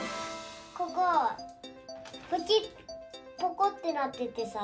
ここぽこってなっててさ。